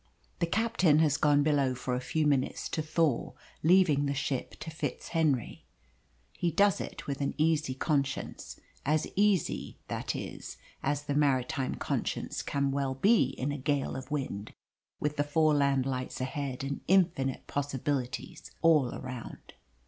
The captain has gone below for a few minutes to thaw, leaving the ship to FitzHenry. He does it with an easy conscience as easy, that is, as the maritime conscience can well be in a gale of wind, with the Foreland lights ahead and infinite possibilities all around.